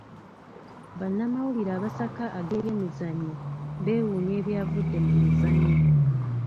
Bannamawulire abasaka ag'ebyemizannyo beewuunya ebyavudde mu muzannyo.